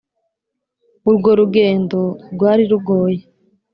Urwo rugendo rwari rugoye